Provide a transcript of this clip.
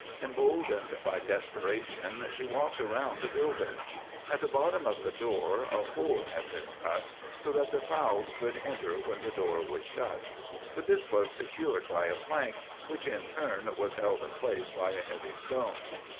Emboldened by desperation, she walked around the building. At the bottom of the door a hole had been cut, so that the fowls could enter when the door was shut. But this was secured by a plank, which in turn was held in place by a heavy stone.